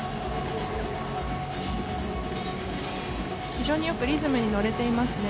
非常によくリズムに乗れていますね。